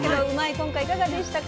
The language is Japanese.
今回いかがでしたか？